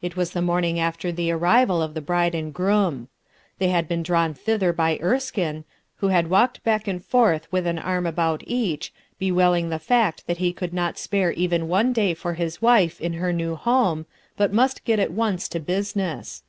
It was the morning after the arrival of the bride and groom. They had boon drawn thither by Erskine, who had walked back and forth with an arm about each, bewailing the fact that be could not spare even one day for his wife in her new home, but must get at once to business.